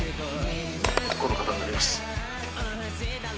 この方になります。